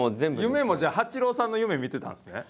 夢もじゃあ八郎さんの夢見てたんですね？